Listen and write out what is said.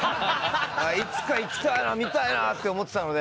いつか行きたいな見たいなって思ってたので。